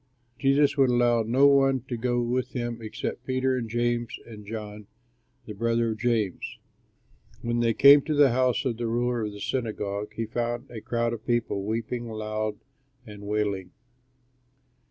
Jesus would allow no one to go with him except Peter and James and John the brother of James. When they came to the house of the ruler of the synagogue, he found a crowd of people weeping aloud and wailing.